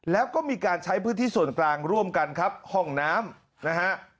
แล้วก็มีการใช้พื้นที่ส่วนกลางร่วมกันครับห้องน้ำนะฮะ